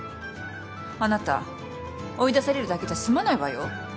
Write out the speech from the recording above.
あなた追い出されるだけじゃ済まないわよ。